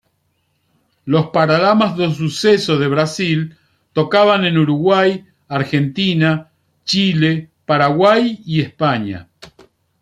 Los Paralamas do Sucesso de Brasil tocaban en Uruguay, Argentina, Chile, Paraguay y España.